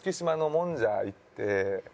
もんじゃ行って。